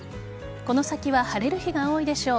この先は晴れる日が多いでしょう。